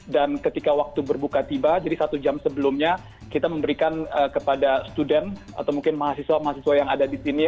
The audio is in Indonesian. dan ketika waktu berbuka tiba jadi satu jam sebelumnya kita memberikan kepada student atau mungkin mahasiswa mahasiswa yang ada di sini